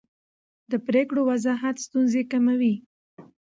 د پرېکړو وضاحت ستونزې کموي